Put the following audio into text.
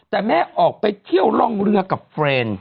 แต่แม่ออกไปเที่ยวร่องเรือกับเฟรนด์